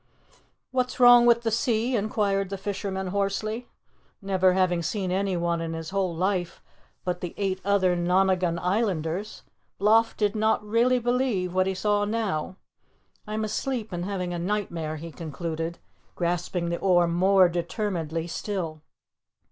"What's wrong with the sea?" inquired the fisherman hoarsely. Never having seen anyone in his whole life but the eight other Nonagon Islanders, Bloff did not really believe what he saw now. "I'm asleep and having a nightmare," he concluded, grasping the oar more determinedly still.